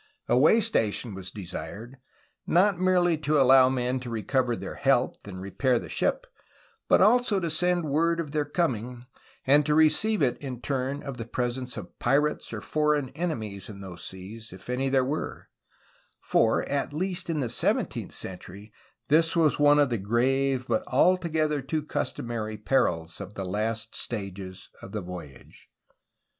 A way station was desired, not merely to allow men to recover their health and repair the ship, but also to send word of their coming and to receive it in turn of the presence of pirates or foreign enemies in those seas, if any there were, — for at least in the seventeenth century this was one of the grave but altogether too cus tomary perils of the last stages of the voyage.